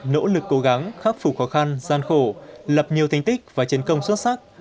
nỗ lực cố gắng khắc phục khó khăn gian khổ lập nhiều thành tích và chiến công xuất sắc